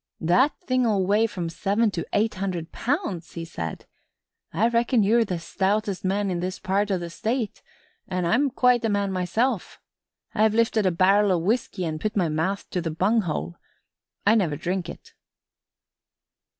"That thing'll weigh from seven to eight hundred pounds," said he. "I reckon you're the stoutest man in this part o' the state an' I'm quite a man myself. I've lifted a barrel o' whisky and put my mouth to the bung hole. I never drink it."